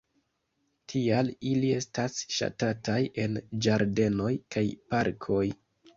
Tial ili estas ŝatataj en ĝardenoj kaj parkoj.